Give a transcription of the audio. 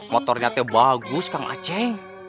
motornya tuh bagus kang aceh